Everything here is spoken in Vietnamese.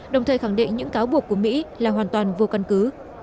đồng thời khẳng định những cáo buộc của mỹ là hoàn toàn vô căn cứ